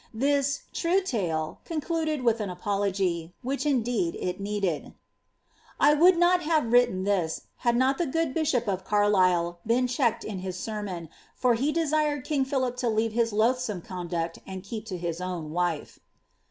This ^ true tale" concluded with an apology, which, indeed, it needed :—^ 1 would not have written this, had not the good bishop of Carlisle been checked in his sermon, for he desired king Philip to leave his loathsooie conduct and keep to his own wife."